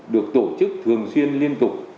được tổ chức thường xuyên liên tục